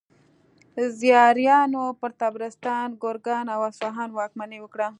زیاریانو پر طبرستان، ګرګان او اصفهان واکمني وکړه.